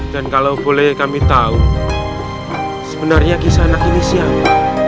dan kalau boleh kami tahu sebenarnya kisah anak ini siapa